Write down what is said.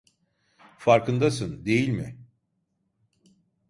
Farkındasın, değil mi?